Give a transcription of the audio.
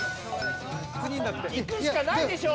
いくしかないでしょ！